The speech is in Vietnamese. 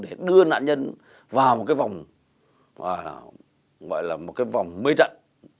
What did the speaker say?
để đưa nạn nhân vào một cái vòng mê trận